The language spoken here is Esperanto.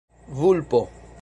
vulpo